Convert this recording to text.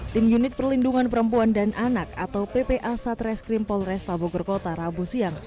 tim unit perlindungan perempuan dan anak atau pp asat reskrim polres tabogerkota rabu siang